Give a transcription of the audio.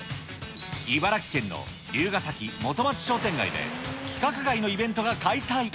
茨城県の龍ケ崎本町商店街で、規格外のイベントが開催。